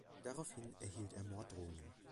Daraufhin erhielt er Morddrohungen.